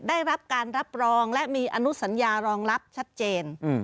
ได้รับการรับรองและมีอนุสัญญารองรับชัดเจน